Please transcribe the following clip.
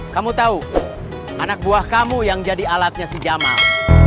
kamu tahu anak buah kamu yang jadi alatnya si jamal